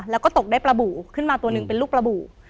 แล้วก็ตกได้ประบูขึ้นมาตัวหนึ่งเป็นลูกประบู